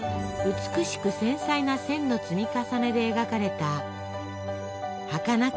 美しく繊細な線の積み重ねで描かれたはかなく